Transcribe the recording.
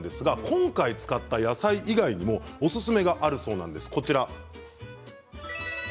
今回、使った野菜以外にもおすすめがあるそうです。